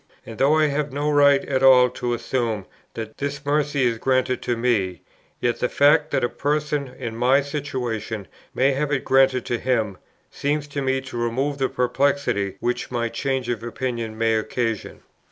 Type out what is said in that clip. And though I have no right at all to assume that this mercy is granted to me, yet the fact, that a person in my situation may have it granted to him, seems to me to remove the perplexity which my change of opinion may occasion.